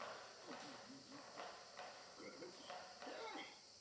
Čtveřice nejhorších týmů po první fázi musela svoji prvoligovou účast hájit v kvalifikaci.